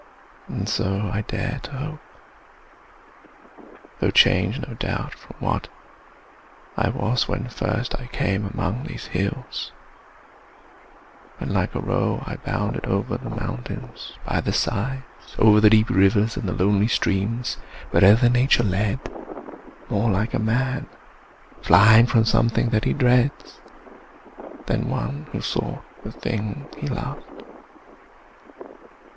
And so I dare to hope, Though changed, no doubt, from what I was when first I came among these hills; when like a roe I bounded o'er the mountains, by the sides Of the deep rivers, and the lonely streams, Wherever nature led: more like a man Flying from something that he dreads, than one Who sought the thing he loved.